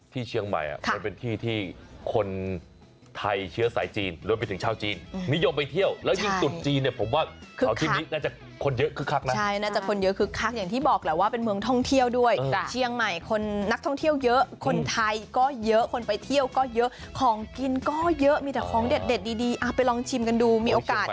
ที่เชียงใหม่มันเป็นที่ที่คนไทยเชื้อสายจีนรวมไปถึงชาวจีนนิยมไปเที่ยวแล้วยิ่งตุดจีนเนี่ยผมว่าอาทิตย์นี้น่าจะคนเยอะคึกคักนะใช่น่าจะคนเยอะคึกคักอย่างที่บอกแหละว่าเป็นเมืองท่องเที่ยวด้วยเชียงใหม่คนนักท่องเที่ยวเยอะคนไทยก็เยอะคนไปเที่ยวก็เยอะของกินก็เยอะมีแต่ของเด็ดดีไปลองชิมกันดูมีโอกาส